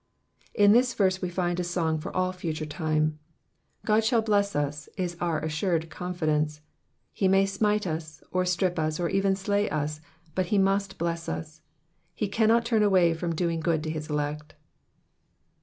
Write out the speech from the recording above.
In this verse we find a song for all future time. God shall bless us is our assured confidence ; he may smite us, or strip us, or even slay us, but he must bless us. He cannot turn away from doing good to his elect.